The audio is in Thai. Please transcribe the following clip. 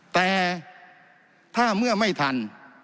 แต่ถ้าเมื่อไม่ทัน